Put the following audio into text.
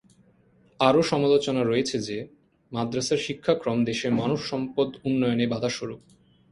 আরো সমালোচনা রয়েছে যে, মাদরাসার শিক্ষাক্রম দেশের মানব সম্পদ উন্নয়নে বাধা স্বরূপ।